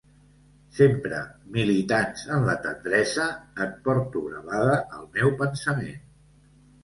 Sempre militants en la tendresa, et porto gravada al meu pensament.